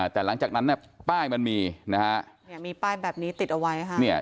แต่หลังจากนั้นป้ายมันมีนะฮะมีป้ายแบบนี้ติดเอาไว้ค่ะ